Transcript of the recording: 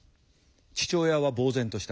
父親はぼう然とした。